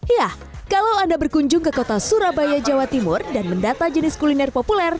ya kalau anda berkunjung ke kota surabaya jawa timur dan mendata jenis kuliner populer